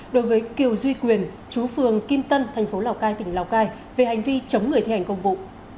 đối với kiều duy quyền chú phường kim tân thành phố lào cai tỉnh lào cai về hành vi chống người thi hành công vụ